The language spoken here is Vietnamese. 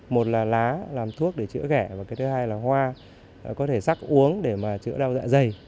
một là lá làm thuốc để chữa gẻ và cái thứ hai là hoa có thể sắc uống để mà chữa đau dạ dày